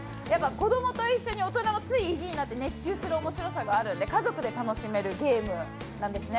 子供と一緒に大人もつい意地になって熱中しちゃう家族で楽しめるゲームなんですね。